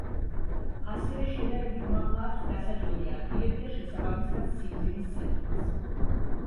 ასევე შედარებით მაღლა აქვს დასაჯდომი ადგილები და შესაბამისად სიმძიმის ცენტრიც.